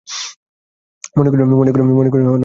মনে করিও না, তোমরা দরিদ্র।